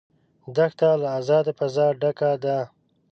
دښته له آزاده فضا ډکه ده.